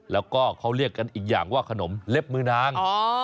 แล้วก็เขาเรียกกันอีกอย่างว่าขนมเล็บมือนาง